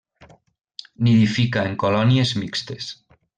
Nidifica en colònies mixtes.